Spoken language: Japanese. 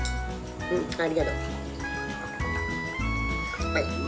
ありがとう。